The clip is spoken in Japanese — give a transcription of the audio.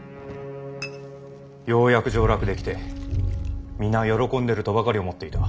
ようやく上洛できて皆喜んでるとばかり思っていた。